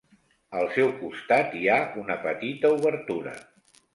Al seu costat hi ha una petita obertura.